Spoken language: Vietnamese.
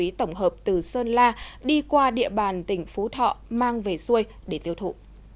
năm viên ma túy tổng hợp từ sơn la đi qua địa bàn tỉnh phố thọ mang về xuôi để tiêu thụ